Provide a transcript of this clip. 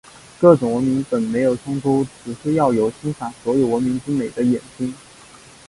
各种文明本没有冲突，只是要有欣赏所有文明之美的眼睛。